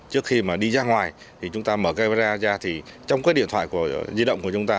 trước khi mà đi ra ngoài thì chúng ta mở camera ra thì trong cái điện thoại của di động của chúng ta